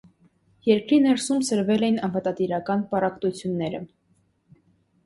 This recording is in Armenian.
Երկրի ներսում սրվել էին ավատատիրական պառակտությունները։